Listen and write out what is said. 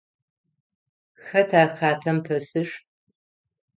Xэтa хатэм пэсыр?